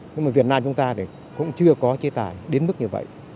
nhưng mà việt nam chúng ta cũng chưa có chế tài đến mức như vậy